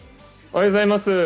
おはようございます。